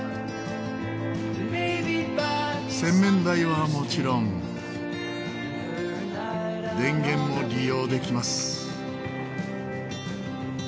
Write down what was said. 洗面台はもちろん電源も利用できます。